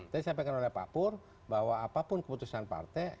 tadi sampaikan oleh pak pur bahwa apapun keputusan partai